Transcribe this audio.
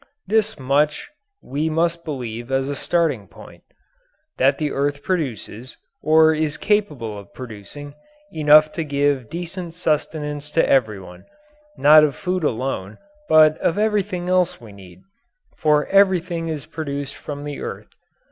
This much we must believe as a starting point: That the earth produces, or is capable of producing, enough to give decent sustenance to everyone not of food alone, but of everything else we need. For everything is produced from the earth.